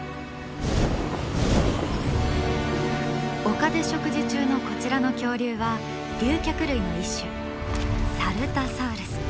丘で食事中のこちらの恐竜は竜脚類の一種サルタサウルス。